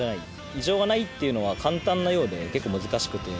異常がないっていうのは簡単なようで、結構難しくて。